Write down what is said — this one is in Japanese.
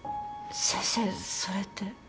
先生それって。